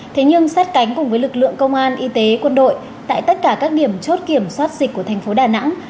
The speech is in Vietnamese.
thế nhưng sát cánh cùng với lực lượng công an y tế quân đội tại tất cả các điểm chốt kiểm soát dịch của tp đcm